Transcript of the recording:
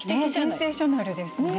センセーショナルですね。